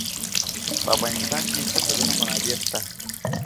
په افغانستان کې د سرحدونه منابع شته.